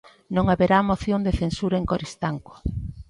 Non haberá moción de censura en Coristanco.